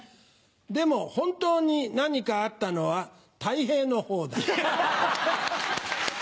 でも本当に何かあったのはたい平のほうだ」。